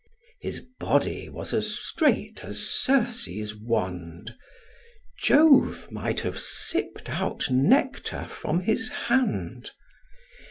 His body was as straight as Circe's wand; Jove might have sipt out nectar from his hand.